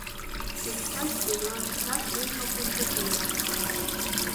Ушьҭа шәӡырҩла цқьа шәлымҳақәа сыҭаны.